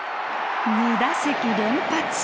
２打席連発。